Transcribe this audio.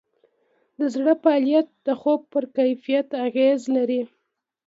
د زړه فعالیت د خوب پر کیفیت اغېز لري.